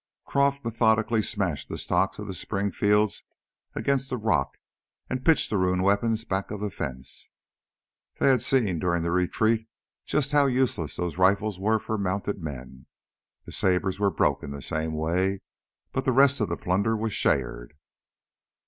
Croff methodically smashed the stocks of the Springfields against a rock and pitched the ruined weapons back of the fence. They had seen during the retreat just how useless those rifles were for mounted men. The sabers were broken the same way, but the rest of the plunder was shared.